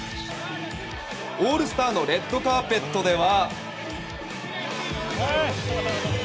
オールスターのレッドカーペットでは。